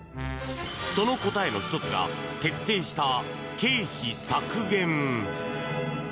その答えの１つが徹底した経費削減。